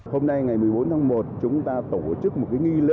hôm nay ngày một mươi bốn tháng một chúng ta tổ chức một nghi lễ